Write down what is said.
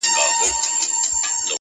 کوم یو کار دی چي بادار ماته سپارلی -